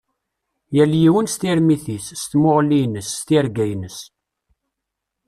Yal yiwen s tirmit-is, s tmuɣli-ines, s tirga-ines.